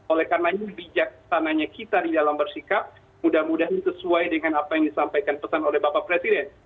oleh karenanya bijaksananya kita di dalam bersikap mudah mudahan sesuai dengan apa yang disampaikan pesan oleh bapak presiden